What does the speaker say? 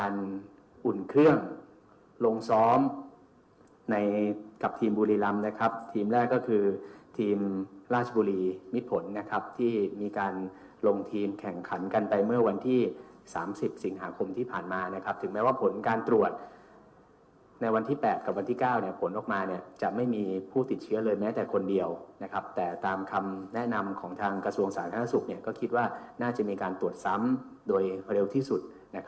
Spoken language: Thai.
อุ่นเครื่องลงซ้อมในกับทีมบุรีรำนะครับทีมแรกก็คือทีมราชบุรีมิดผลนะครับที่มีการลงทีมแข่งขันกันไปเมื่อวันที่๓๐สิงหาคมที่ผ่านมานะครับถึงแม้ว่าผลการตรวจในวันที่๘กับวันที่๙ผลออกมาจะไม่มีผู้ติดเชื้อเลยแม้แต่คนเดียวนะครับแต่ตามคำแนะนำของทางกระทรวงสาธารณสุขก็คิดว่าน่าจะมีการตรวจซ้ำโดยเร็วที่สุด